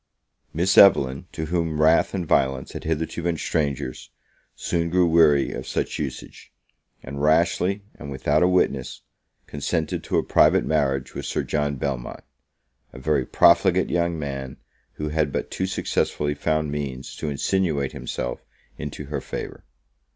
Miss Evelyn, to whom wrath and violence had hitherto been strangers, soon grew weary of such usage; and rashly, and without a witness, consented to a private marriage with Sir John Belmont, a very profligate young man, who had but too successfully found means to insinuate himself into her favour.